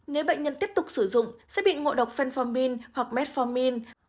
nếu bệnh nhân tiếp tục sử dụng sẽ bị ngộ độc fenformin hoặc metformin